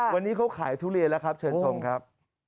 วันนี้เขาขายทุเรียนแล้วครับเชิญชมครับ